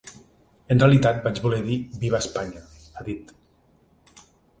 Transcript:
En realitat vaig voler dir “Viva España”, ha dit.